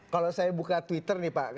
kalau saya buka twitter nih pak